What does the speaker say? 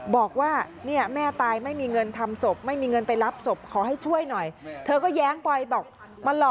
บอกว่าเนี่ยแม่ตายไม่มีเงินทำศพไม่มีเงินไปรับศพขอให้ช่วยหน่อยเธอก็แย้งไปบอกมาหล่อ